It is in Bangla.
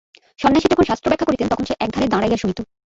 সন্ন্যাসী যখন শাস্ত্রব্যাখ্যা করিতেন তখন সে একধারে দাঁড়াইয়া শুনিত।